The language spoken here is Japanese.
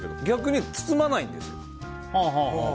逆に言えば包まないんですよ。